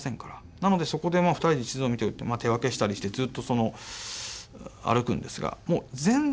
なのでそこで２人で地図を見て手分けしたりしてずっと歩くんですがもう全然誰も知らないんですよね。